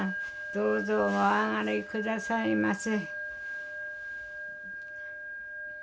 どうぞおあがりくださいませ。